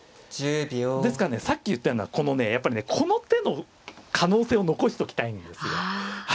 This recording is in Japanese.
ですからねさっき言ったようなこのねやっぱりねこの手の可能性を残しときたいんですよ。